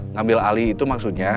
ngambil alih itu maksudnya